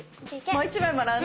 もう１枚もらうね。